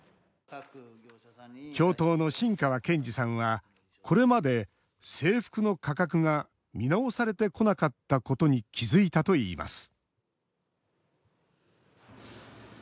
教頭の新川健二さんはこれまで制服の価格が見直されてこなかったことに気付いたといいます